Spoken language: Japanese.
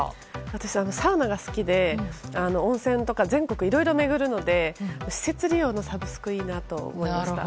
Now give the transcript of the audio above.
私、サウナが好きで温泉とか全国いろいろ巡るので施設利用のサブスクがいいなと思いました。